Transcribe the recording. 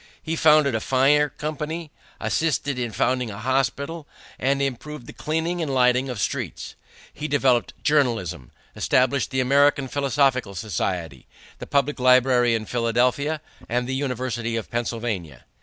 He founded a fire company, assisted in founding a hospital, and improved the cleaning and lighting of streets. He developed journalism, established the American Philosophical Society, the public library in Philadelphia, and the University of Pennsylvania.